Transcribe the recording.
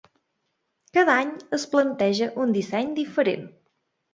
Cada any es planteja un disseny diferent.